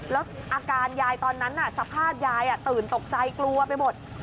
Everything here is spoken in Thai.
แล้วอาการยายตอนนั้นสภาพยายตื่นตกใจกลัวไปหมด